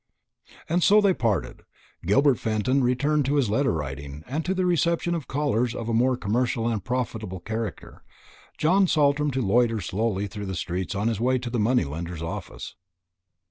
And so they parted Gilbert Fenton to return to his letter writing, and to the reception of callers of a more commercial and profitable character; John Saltram to loiter slowly through the streets on his way to the money lender's office.